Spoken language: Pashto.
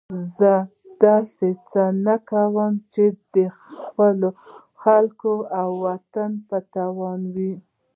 زه داسې څه نه کوم چې د خپلو خلکو او وطن په تاوان وي.